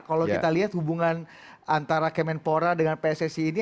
kalau kita lihat hubungan antara kemenpora dengan pssi ini